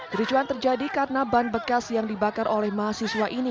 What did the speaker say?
kericuan terjadi karena ban bekas yang dibakar oleh mahasiswa ini